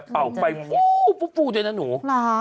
ปุ๊ปเลยนะหนู